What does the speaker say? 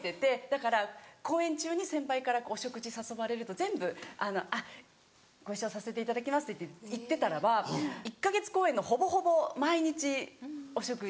だから公演中に先輩からお食事誘われると全部「あっご一緒させていただきます」って行ってたらば１か月公演のほぼほぼ毎日お食事に行って。